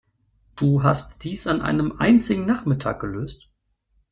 Du hast dies an einem einzigen Nachmittag gelöst?